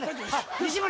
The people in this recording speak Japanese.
西村！